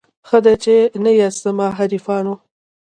ښه دی چي نه یاست زما حریفانو